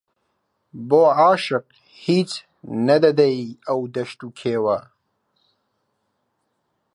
بۆ ئاشق هیچ نێ دەی دەی ئەو دەشت و کێوە